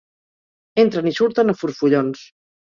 Entren i surten a forfollons.